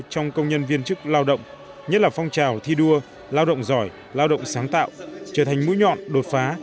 trong công nhân viên chức lao động nhất là phong trào thi đua lao động giỏi lao động sáng tạo trở thành mũi nhọn đột phá